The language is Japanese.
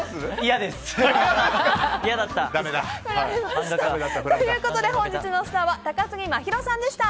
嫌です！ということで、本日のスターは高杉真宙さんでした。